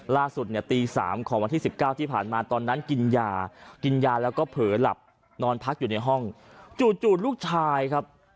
ล่าสุดเนี่ยตี๓ของวันที่๑๙ที่ผ่านมาตอนนั้นกินยากินยาแล้วก็เผลอหลับนอนพักอยู่ในห้องจู่ลูกชายครับ